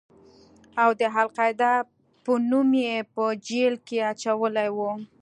او د القاعده په نوم يې په جېل کښې اچولى و.